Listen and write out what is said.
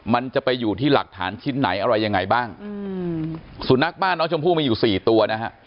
มันจะไปอยู่ที่หลักฐานชิ้นไหนอะไรยังไงบ้างอืมสุนัขบ้านน้องชมพู่มีอยู่สี่ตัวนะฮะ